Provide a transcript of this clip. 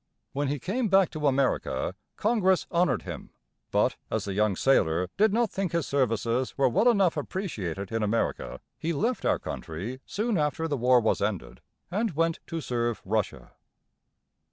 When he came back to America, Congress honored him; but as the young sailor did not think his services were well enough appreciated in America, he left our country soon after the war was ended, and went to serve Russia.